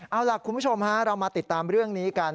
เอาล่ะคุณผู้ชมฮะเรามาติดตามเรื่องนี้กัน